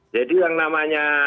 jadi yang namanya